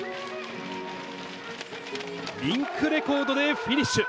リンクレコードでフィニッシュ。